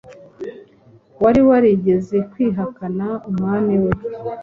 wari warigeze kwihakana Umwami we.